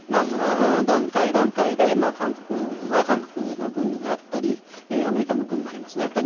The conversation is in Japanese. その段階、段階で韓国は韓国の軍があったりアメリカの軍もありますね。